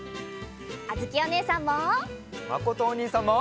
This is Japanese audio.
あづきおねえさんも！